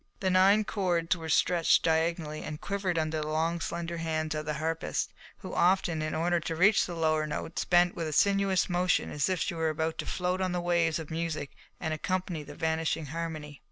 The nine cords were stretched diagonally and quivered under the long, slender hands of the harpist, who often, in order to reach the lower notes, bent with a sinuous motion as if she were about to float on the waves of music and accompany the vanishing harmony.